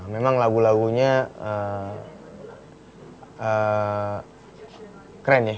memang lagu lagunya keren ya